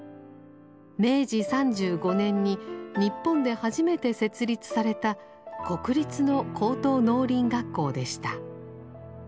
明治３５年に日本で初めて設立された国立の高等農林学校でした。